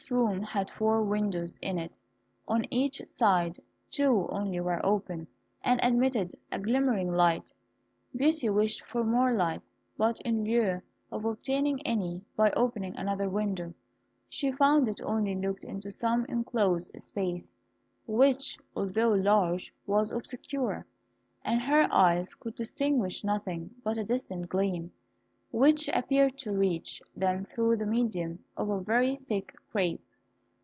This room had four windows in it on each side. Two only were open, and admitted a glimmering light. Beauty wished for more light, but in lieu of obtaining any by opening another window, she found it only looked into some enclosed space, which, although large, was obscure, and her eyes could distinguish nothing but a distant gleam, which appeared to reach them through the medium of a very thick crape.